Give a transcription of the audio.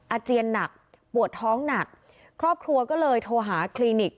อาเจียนหนักปวดท้องหนักครอบครัวก็เลยโทรหาคลินิก